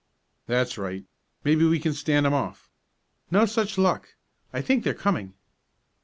"That's right. Maybe we can stand 'em off." "No such luck. I think they're coming."